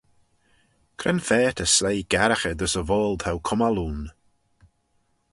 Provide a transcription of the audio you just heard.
Cre'n fa ta sleih garraghey dys y voayl t'ou cummal ayn?